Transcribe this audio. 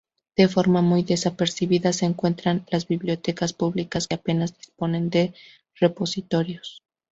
De forma muy desapercibida se encuentran las Bibliotecas Públicas que apenas disponen de repositorios.